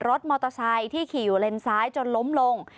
รถมอเตอร์ไซค์ที่ขี่อยู่เลนซ้ายจนล้มลง